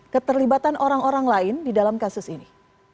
keterlibatan orang orang lain di dalam kasus ini